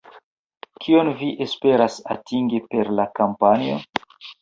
Kion vi esperas atingi per la kampanjo?